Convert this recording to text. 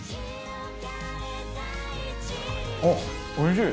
あっおいしい！